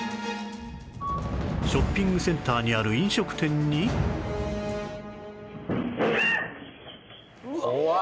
ショッピングセンターにある飲食店にキャーッ！